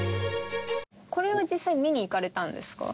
これは実際見に行かれたんですか？